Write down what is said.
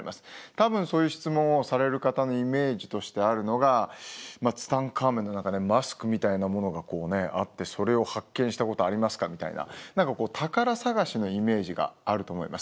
多分そういう質問をされる方のイメージとしてあるのがツタンカーメンのマスクみたいなものがあって「それを発見したことありますか」みたいな何か宝探しのイメージがあると思います。